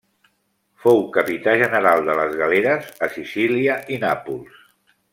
Fou capità general de les galeres a Sicília i Nàpols.